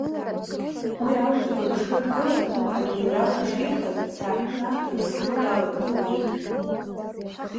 Уи аурысқәа дышрыдгылаз, агенералра ширҭаз, дааҳәны нас дырҿыгыло далагт, лҳәит.